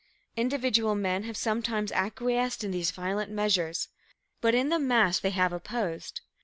Individual men have sometimes acquiesced in these violent measures, but in the mass they have opposed.